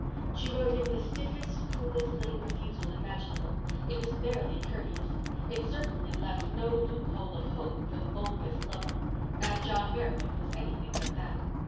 She wrote him the stiffest, coolest little refusal imaginable. It was barely courteous; it certainly left no loophole of hope for the boldest lover—and John Meredith was anything but that.